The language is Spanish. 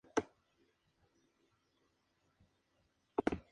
De ese modo la laguna se llena con agua salada, o "salmuera.